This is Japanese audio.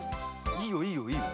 いいよいいよいいよ。